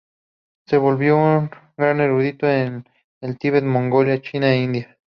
Se volvió un gran erudito en el Tíbet, Mongolia, China e India.